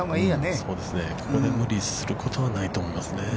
◆そうですね、ここで無理することはないと思いますね。